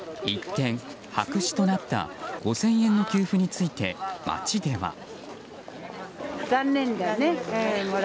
一転、白紙となった５０００円の給付について街では。